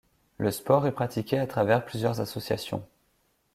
Le sport est pratiqué à travers plusieurs associations.